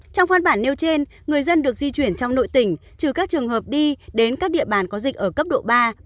trong văn bản nêu trên người dân được di chuyển trong nội tỉnh trừ các trường hợp đi đến các địa bàn có dịch ở cấp độ ba